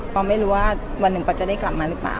ไม่รู้ว่าวันหนึ่งปอจะได้กลับมาหรือเปล่า